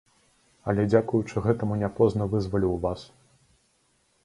Але дзякуючы гэтаму не позна вызваліў вас.